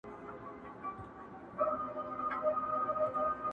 تا يو څو شېبې زما سات دئ راتېر كړى!.